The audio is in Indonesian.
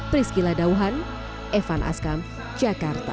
priscila dauhan evan askam jakarta